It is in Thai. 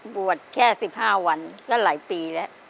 บวชแค่๑๕วันก็หลายปีแล้ว